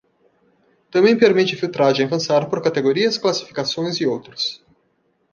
Também permite filtragem avançada por categorias, classificações e outros.